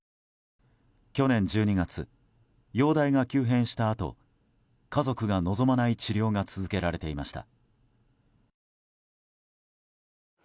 去年１２月、容体が急変したあと家族が望まない治療が続けられていました。